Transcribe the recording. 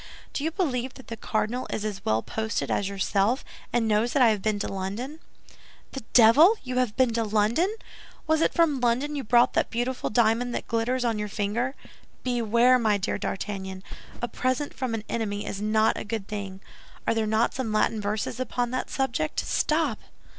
"Do you believe that the cardinal is as well posted as yourself, and knows that I have been to London?" "The devil! You have been to London! Was it from London you brought that beautiful diamond that glitters on your finger? Beware, my dear D'Artagnan! A present from an enemy is not a good thing. Are there not some Latin verses upon that subject? Stop!"